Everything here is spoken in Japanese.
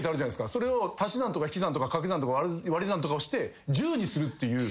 それを足し算とか引き算とか掛け算とか割り算とかをして１０にするっていう。